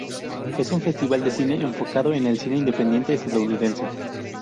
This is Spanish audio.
Es un festival de cine enfocando el cine independiente estadounidense.